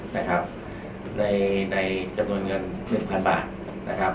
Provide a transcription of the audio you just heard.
นะครับในในจำนวนเงินหนึ่งพันบาทนะครับ